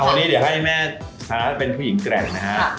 วันนี้เดี๋ยวให้แม่ค้าเป็นผู้หญิงแกร่งนะฮะ